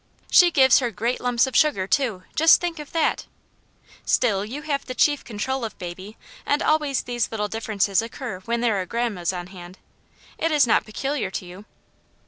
She gives her great lumps of sugar, too, just think of that !"" Still you have the chief control of baby, and always these little differences occur when there are grandmas on hand. It is not peculiar to you."